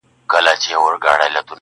سره جمع وي په کور کي د خپلوانو-